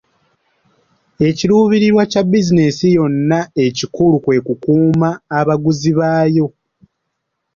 Ekiruubirirwa kya bizinensi yonna ekikulu kwe kukuuma abaguzi baayo.